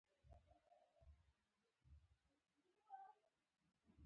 ایس میکس بیا په حیرانتیا وویل ته یو نابغه یې